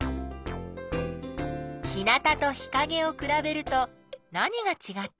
日なたと日かげをくらべると何がちがった？